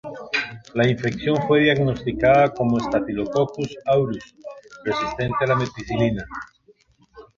La infección fue diagnosticada como Staphylococcus aureus resistente a la meticilina.